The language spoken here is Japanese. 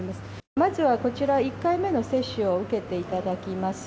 まずはこちら１回目の接種を受けていただきます。